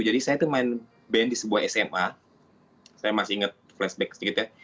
jadi saya tuh main band di sebuah sma saya masih ingat flashback sedikit ya